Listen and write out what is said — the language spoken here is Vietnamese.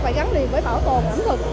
phải gắn liền với bảo tồn ẩm thực